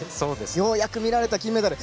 ようやく見られた金メダル。